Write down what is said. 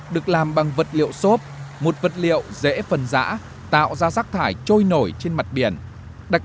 được làm bằng vật liệu xốp một vật liệu dễ phần rã tạo ra rác thải trôi nổi trên mặt biển đặc